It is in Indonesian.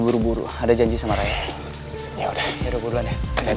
buru ada janji sama raya ya udah ya udah deh ya